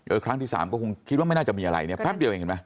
ครั้งที่สามก็คงคิดว่าไม่น่าจะมีอะไรเนี่ยแป๊บเดียวเองเห็นไหม